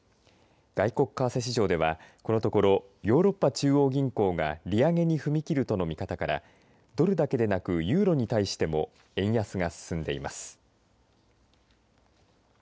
外国為替市場では、このところヨーロッパ中央銀行が利上げに踏み切るとの見方からドルだけでなくユーロに対しても円安が進んでいます。